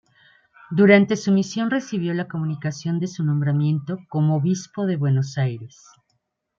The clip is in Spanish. Durante su misión recibió la comunicación de su nombramiento como obispo de Buenos Aires.